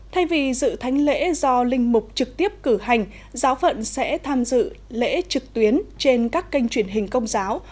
thay vì dự thánh lễ do linh mục trực tiếp cử hành giáo phận sẽ tham dự lễ trực tuyến trên các kênh truyền hình công giáo